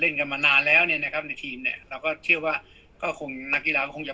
กันมานานแล้วเนี่ยนะครับในทีมเนี่ยเราก็เชื่อว่าก็คงนักกีฬาก็คงจะ